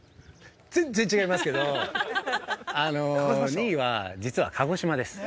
◆全然違いますけど、２位は、実は鹿児島です。